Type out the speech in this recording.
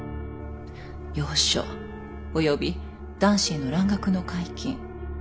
洋書および男子への蘭学の解禁採薬使。